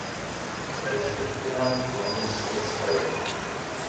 Ulac akk kra n tlemmiẓt ay tesɛid.